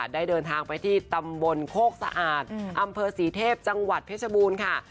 ได้เดินทางไปที่ตำบลโคกสะอาดอำเภอศรีเทพจังหวัดเพชรบูรณ์ค่ะ